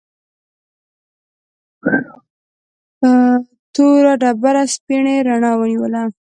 توره ډبره سپینې رڼا ونیوله.